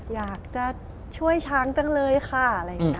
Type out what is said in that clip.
อยากจะช่วยช้างจังเลยค่ะอะไรอย่างนี้